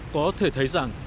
có thể thấy rằng